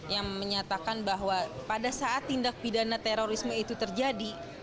yang menyatakan bahwa pada saat tindak pidana terorisme itu terjadi